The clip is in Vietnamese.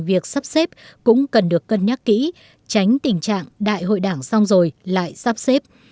việc sắp xếp cũng cần được cân nhắc kỹ tránh tình trạng đại hội đảng xong rồi lại sắp xếp